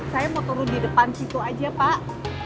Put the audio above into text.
saya mau turun di depan situ aja pak